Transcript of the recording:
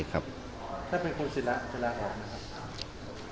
ถ้าเป็นคนศิลาจะลาออกนะครับ